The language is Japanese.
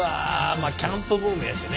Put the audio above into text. まあキャンプブームやしね。